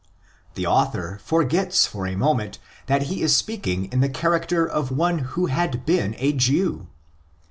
The author forgets for ἃ moment that he is speaking in the character of one who had been a Jew.